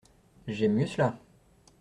J’aime mieux cela !…